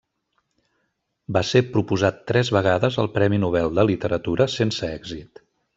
Va ser proposat tres vegades al Premi Nobel de Literatura, sense èxit.